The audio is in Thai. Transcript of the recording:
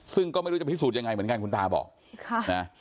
ซึ่งก็ไม่รู้จะพิสูจน์ยังไงเหมือนกันคุณตาบอกค่ะนะ